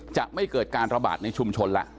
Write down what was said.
จะไม่เกิดการระบาดในชุมชนแล้ว